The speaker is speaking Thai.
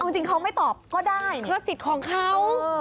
จริงเขาไม่ตอบก็ได้เพื่อสิทธิ์ของเขา